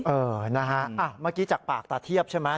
เออนะฮะเมื่อกี้จากปากตาเทียบใช่ไหม